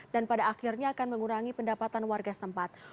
dan pada akhirnya akan mengurangi pendapatan warga setempat